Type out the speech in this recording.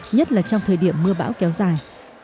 nhất là trong thời điểm mưa bão kéo dài